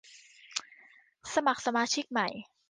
สมัครสมาชิกใหม่